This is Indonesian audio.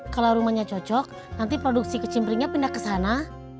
kalau rumahnya cocok nanti produksi kecimpringnya pindah ke sana